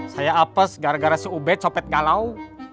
saya apes gara gara si ubed nyopet galau